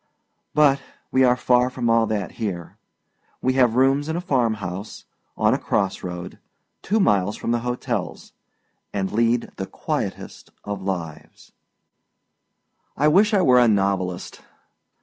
But we are far from all that here. We have rooms in a farm house, on a cross road, two miles from the hotels, and lead the quietest of lives. I wish I were a novelist.